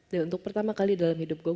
ya untuk pertama kali dalam hidup gue